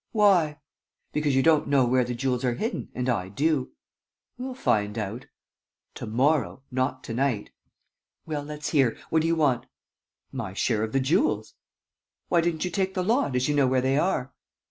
"Why?" "Because you don't know where the jewels are hidden and I do." "We'll find out." "To morrow. Not to night." "Well, let's hear. What do you want?" "My share of the jewels." "Why didn't you take the lot, as you know where they are?"